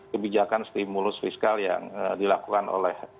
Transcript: kebijakan stimulus fiskal yang dilakukan oleh